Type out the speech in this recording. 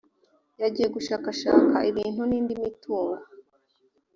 yagiye gushakashaka ibintu n’indi mitungo